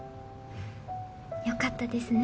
よかったですね。